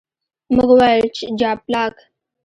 موږ وویل، جاپلاک.